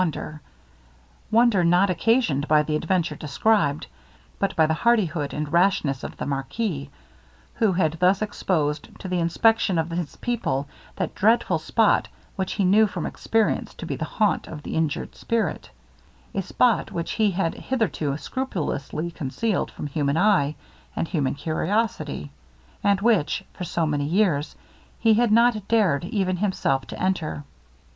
wonder not occasioned by the adventure described, but by the hardihood and rashness of the marquis, who had thus exposed to the inspection of his people, that dreadful spot which he knew from experience to be the haunt of an injured spirit; a spot which he had hitherto scrupulously concealed from human eye, and human curiosity; and which, for so many years, he had not dared even himself to enter.